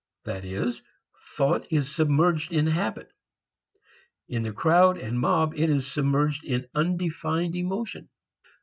That is, thought is submerged in habit. In the crowd and mob, it is submerged in undefined emotion.